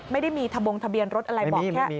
ไม่ได้มีทะบงทะเบียนรถอะไรบอกแค่